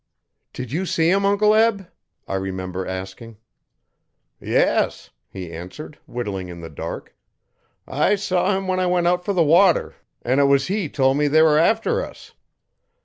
'Did you see him, Uncle Eb?' I remember asking. 'Yes,' he answered, whittling in the dark. 'I saw him when I went out for the water an' it was he tol' me they were after us.'